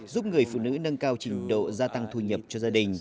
giúp người phụ nữ nâng cao trình độ gia tăng thu nhập cho gia đình